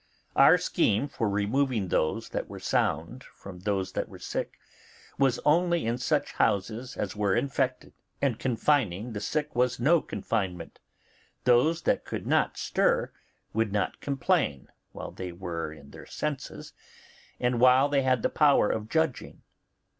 Our scheme for removing those that were sound from those that were sick was only in such houses as were infected, and confining the sick was no confinement; those that could not stir would not complain while they were in their senses and while they had the power of judging.